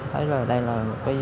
thấy là đây là